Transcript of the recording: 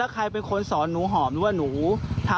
แล้วใครเป็นคนสอนหนูหอมหรือว่าหนูทำเองครับ